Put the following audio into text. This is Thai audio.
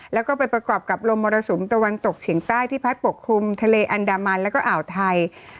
แล้วก็ไปประกอบกับลมมรสุมตะวันตกเฉียงใต้ที่พัดปกคลุมทะเลอันดามันแล้วก็อ่าวไทย